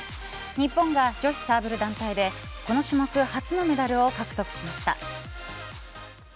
日本が女子サーブル団体でこの種目初のメダルを獲得しました。